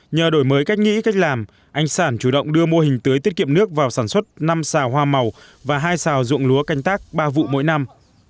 nhờ đổi mới cách nghĩ cách làm anh sản chủ động đưa mô hình tưới tiết kiệm nước vào sản xuất năm xào hoa màu và hai xào ruộng lúa canh tác ba vụ mỗi năm